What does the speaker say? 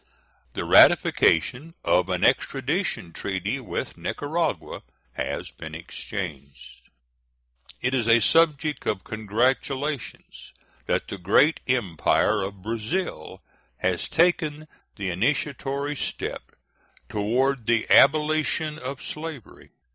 The ratification of an extradition treaty with Nicaragua has been exchanged. It is a subject for congratulation that the great Empire of Brazil has taken the initiatory step toward the abolition of slavery.